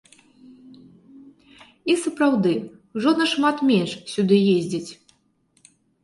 І, сапраўды, ужо нашмат менш сюды ездзяць.